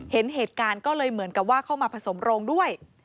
เห็นเหตุการณ์ก็เลยเหมือนกับว่าเข้ามาผสมโรงด้วย